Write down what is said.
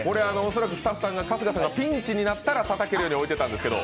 恐らくスタッフさんが春日さんがピンチになったらたたけるように置いていたんですけど。